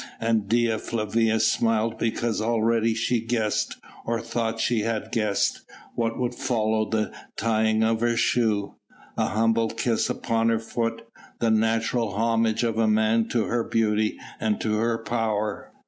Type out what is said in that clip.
And Dea Flavia smiled because already she guessed or thought that she guessed what would follow the tying of her shoe a humble kiss upon her foot, the natural homage of a man to her beauty and to her power.